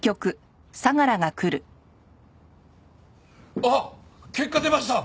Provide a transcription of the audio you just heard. あっ結果出ました！